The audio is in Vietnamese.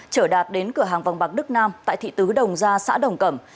trở đạt đến cửa hàng vòng bạc đức nam tại thị tứ đồng gia xã đồng cẩm